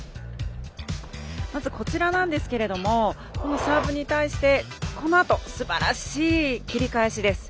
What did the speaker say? まず、こちらなんですがサーブに対してすばらしい切り返しです。